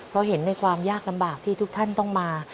เพราะเห็นในความยากลำบากที่ทุกท่านต้องมา